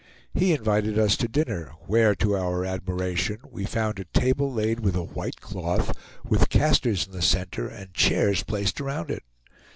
He invited us to dinner, where, to our admiration, we found a table laid with a white cloth, with castors in the center and chairs placed around it.